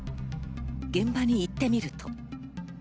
現場に行ってみると。